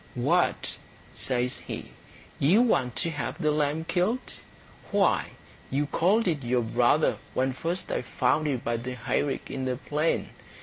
"What," says he, "you want to have the lamb killed? Why, you called it your brother when first I found you by the hayrick in the plain.